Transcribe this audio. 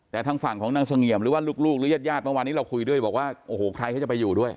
แต่ทางฝั่งของนางเสงี่ยมหรือว่าลูกหรือญาติญาติเมื่อวานนี้เราคุยด้วยบอกว่าโอ้โหใครเขาจะไปอยู่ด้วย